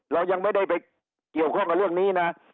เรายังไม่ได้ไปเกี่ยวข้องกับเรื่องนี้นะ